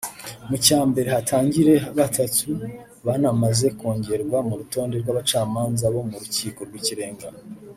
mu cya mbere hatangire batatu banamaze kongerwa mu rutonde rw’abacamanza bo mu rukiko rw’ikirenga